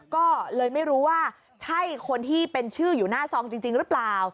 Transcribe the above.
ก็เลยไม่รู้ว่าใช่คนที่เป็นชื่ออยู่หน้าซองจริงหรือเปล่า